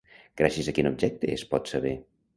Gràcies a quin objecte es pot saber?